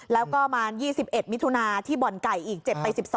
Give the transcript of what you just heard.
แล้วก็มา๒๑มิถุนาที่บ่อนไก่อีกเจ็บไป๑๒